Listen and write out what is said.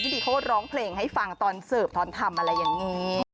ดีเขาก็ร้องเพลงให้ฟังตอนเสิร์ฟตอนทำอะไรอย่างนี้